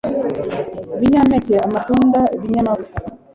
Ibinyampeke amatunda ibinyamavuta